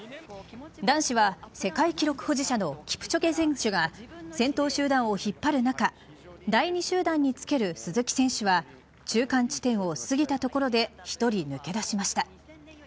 男子は世界記録保持者のキプチョゲ選手が先頭集団を引っ張る中第２集団につける鈴木選手は中間地点を過ぎたところで１人、抜け出しました。